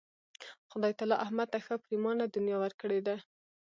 خدای تعالی احمد ته ښه پرېمانه دنیا ورکړې ده.